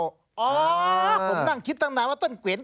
อ๋อผมนั่งคิดตั้งนานว่าต้นเกวียน